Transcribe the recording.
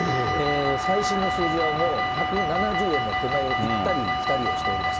最新の数字はもう、１７０円の手前を行ったり来たりをしております。